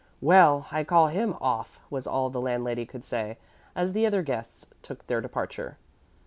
"Well, I call him 'off,'" was all the landlady could say, as the other guests took their departure.